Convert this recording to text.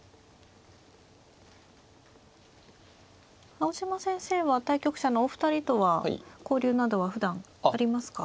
青嶋先生は対局者のお二人とは交流などはふだんありますか。